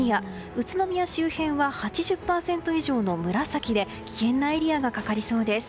宇都宮周辺は、８０％以上の紫で危険なエリアがかかりそうです。